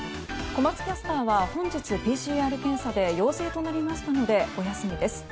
小松キャスターは本日、ＰＣＲ検査で陽性となりましたのでお休みです。